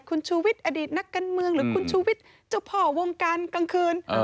คุณชูวิทย์อดีตนักการเมืองหรือคุณชูวิทย์เจ้าพ่อวงการกลางคืน